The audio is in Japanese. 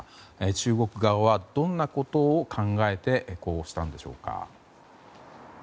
中国側はどんなことを考えてここうしたんでしょうか。